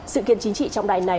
sự kiện chính trị trong đại này